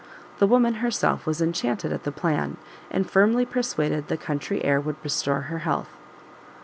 The woman herself was enchanted at the plan, and firmly persuaded the country air would restore her health.